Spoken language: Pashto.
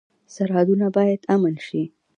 سرحدونه باید امن شي